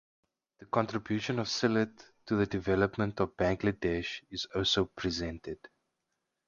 The contribution of Sylhet to the development of Bangladesh is also presented.